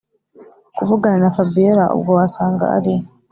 kuvugana na fabiora ubwo wasanga ariwe